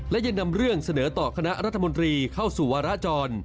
และยังนำเรื่องเสนอต่อคณะรัฐมนตรีเข้าสู่วาราจร